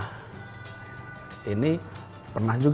jadi kita berbentuk